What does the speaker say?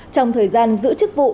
trong thời gian giữ chức vụ